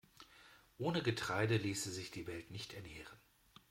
Ohne Getreide ließe sich die Welt nicht ernähren.